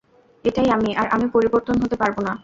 এটাই আমি, আর আমি পরিবর্তন হতে পারব না।